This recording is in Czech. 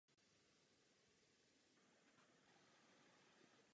Vystudoval Vysokou školu politických a hospodářských věd.